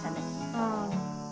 うん。